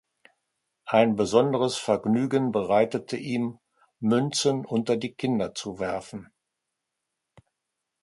Ein besonderes Vergnügen bereitete ihm, Münzen unter die Kinder zu werfen.